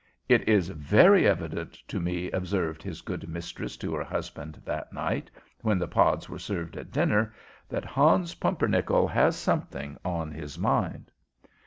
"It is very evident to me," observed his good mistress to her husband that night, when the pods were served at dinner, "that Hans Pumpernickel has something on his mind."